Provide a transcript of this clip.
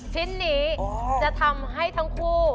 ชิ้นนี้จะทำให้ทั้งคู่